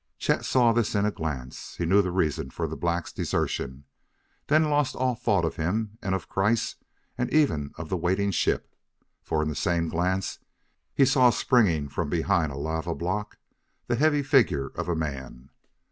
Chet saw this in a glance knew the reason for the black's desertion: then lost all thought of him and of Kreiss and even of the waiting ship. For, in the same glance, he saw, springing from behind a lava block, the heavy figure of a man.